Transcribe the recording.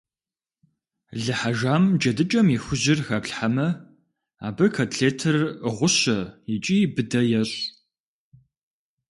Лы хьэжам джэдыкӀэм и хужьыр хэплъхьэмэ, абы котлетыр гъущэ икӀи быдэ ещӀ.